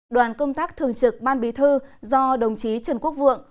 đoàn công tác thường trực ban bí thư do đồng chí trần quốc vượng